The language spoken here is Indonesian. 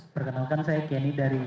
perkenalkan saya kenny dari